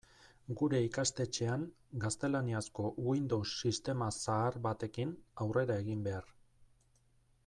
Gure ikastetxean gaztelaniazko Windows sistema zahar batekin aurrera egin behar.